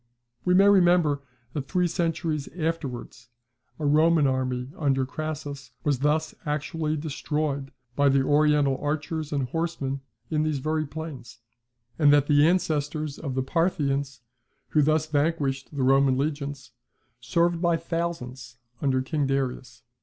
We may remember that three centuries afterwards a Roman army under Crassus was thus actually destroyed by the Oriental archers and horsemen in these very plains; [See Mitford.] and that the ancestors of the Parthians who thus vanquished the Roman legions, served by thousands under King Darius.